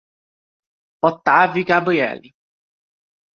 Otávio e Gabrielly